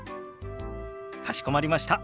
かしこまりました。